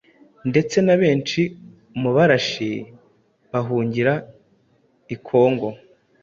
ndetse na benshi mu barashi bahungira i Kongo,